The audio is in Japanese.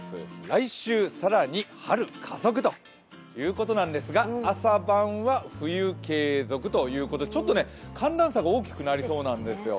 来週更に春加速ということなんですが、朝晩は冬継続ということで、ちょっと寒暖差が大きくなりそうなんですよ。